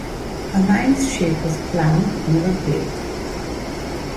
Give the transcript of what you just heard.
A ninth ship was planned but never built.